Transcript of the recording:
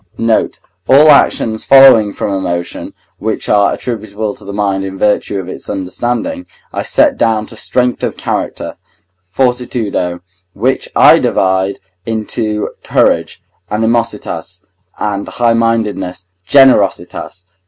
Note. All actions following from emotion, which are attributable to the mind in virtue of its understanding, I set down to strength of character (fortitudo), which I divide into courage (animositas) and highmindedness (generositas).